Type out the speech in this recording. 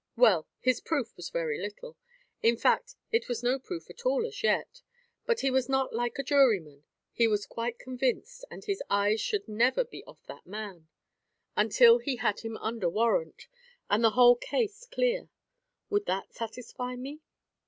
"Well, his proof was very little. In fact it was no proof at all as yet. But he was not like a juryman. He was quite convinced; and his eyes should never be off that man, until he had him under warrant, and the whole case clear. Would that satisfy me?"